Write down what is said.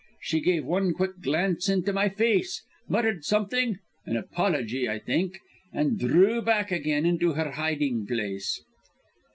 She gave one quick glance up into my face, muttered something, an apology, I think, and drew back again into her hiding place."